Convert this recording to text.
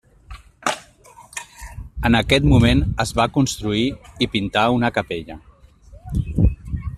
En aquest moment es va construir i pintar una capella.